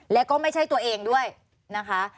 แล้วก็ไม่ใช่ตัวเองด้วยนะคะ